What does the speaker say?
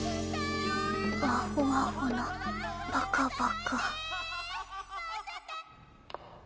アホアホのバカバカ。